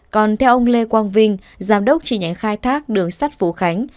còn theo ông lê quang vinh giám đốc tri nhánh khai thác đường sắt phú khánh